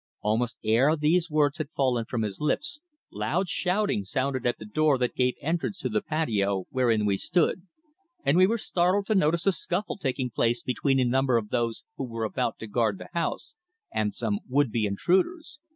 Almost ere these words had fallen from his lips, loud shouting sounded at the door that gave entrance to the patio wherein we stood, and we were startled to notice a scuffle taking place between a number of those who were about to guard the house and some would be intruders.